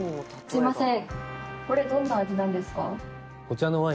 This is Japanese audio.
すみません！